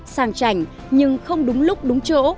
sang trành nhưng không đúng lúc đúng chỗ